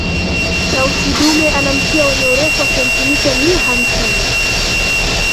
tausi dume ana mkia wenye urefu wa sentimita mia hamsini